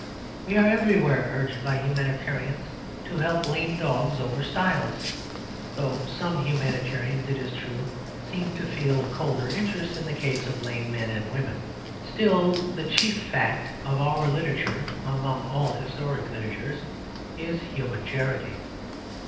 We are everywhere urged by humanitarians to help lame dogs over stiles though some humanitarians, it is true, seem to feel a colder interest in the case of lame men and women. Still, the chief fact of our literature, among all historic literatures, is human charity.